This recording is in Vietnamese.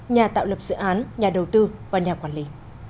nhà tạo lập dự án nhà đầu tư và nhà quản lý